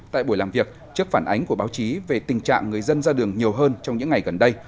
tại buổi làm việc trước phản ánh của báo chí về tình trạng người dân ra đường nhiều hơn trong những ngày gần đây